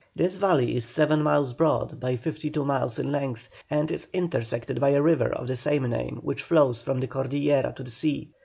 This valley is seven miles broad by fifty two miles in length, and is intersected by a river of the same name which flows from the Cordillera to the sea.